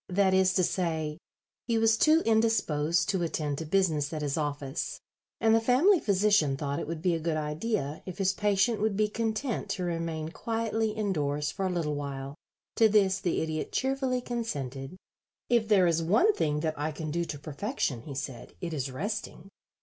That is to say, he was too indisposed to attend to business at his office, and the family physician thought it would be a good idea if his patient would be content to remain quietly indoors for a little while. To this the Idiot cheerfully consented. "If there is one thing that I can do to perfection," he said, "it is resting.